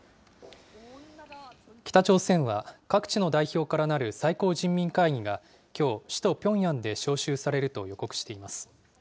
北朝鮮は各地の代表からなる最高人民会議が、きょう、首都ピョンヤンで招集されると予告しています。